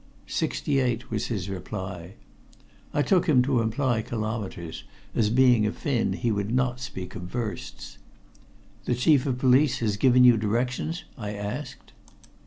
"Sixty eight," was his reply. I took him to imply kilometres, as being a Finn he would not speak of versts. "The Chief of Police has given you directions?" I asked.